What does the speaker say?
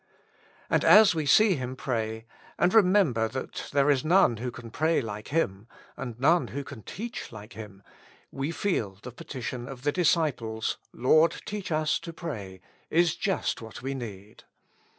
And as we see Him pray, and remember that there is none who can pray like Him, and none who can teach like Him, we feel the petition of the disciples, "Lord, teach us to pray," is just what we need.